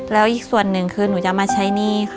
แล้วอีกส่วนหนึ่งคือหนูจะมาใช้หนี้ค่ะ